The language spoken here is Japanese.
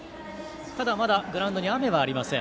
ただ、まだグラウンドに雨はありません。